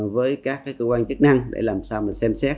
với các cơ quan chức năng để làm sao mình xem xét